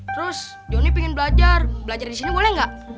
terus jonny pingin belajar belajar di sini boleh enggak